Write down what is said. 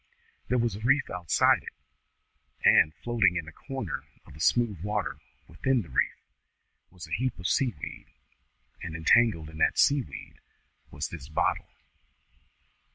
There was a reef outside it, and, floating in a corner of the smooth water within the reef, was a heap of sea weed, and entangled in that sea weed was this bottle."